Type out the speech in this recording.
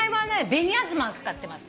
紅あずまを使ってます。